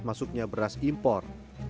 masuknya beras impor